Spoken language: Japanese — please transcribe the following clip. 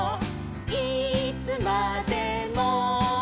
いつまでも」